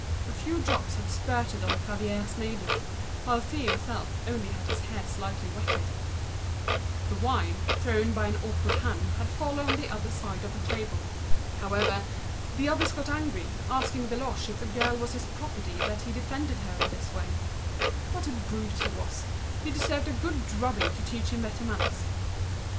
A few drops had spurted on Favier's neighbors, whilst he only had his hair slightly wetted: the wine, thrown by an awkward hand, had fallen the other side of the table. But the others got angry, asking if she was his mistress that he defended her in this way? What a brute! he deserved a good sound drubbing to teach him manners.